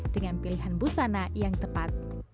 dengan pilihan busana yang tepat